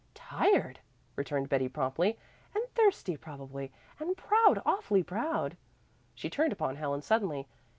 "Tired," returned Betty promptly, "and thirsty, probably, and proud awfully proud." She turned upon Helen suddenly.